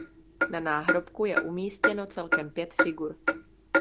Na náhrobku je umístěno celkem pět figur.